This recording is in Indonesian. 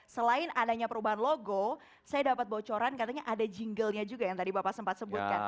selain adanya perubahan logo saya dapat bocoran katanya ada jinglenya juga yang tadi bapak sempat sebutkan